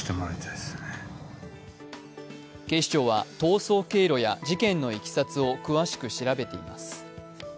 警視庁は逃走経路や事件のいきさつを詳しく調べています。